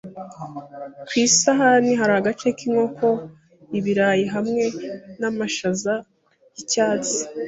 Ku isahani hari agace k'inkoko, ibirayi hamwe n'amashaza y'icyatsi.